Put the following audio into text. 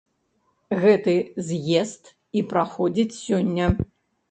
Гэты з'езд і праходзіць сёння.